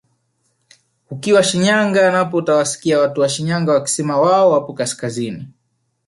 Ukiwa Shinyanga napo utawasikia watu wa Shinyanga wakisema wao wapo kaskazini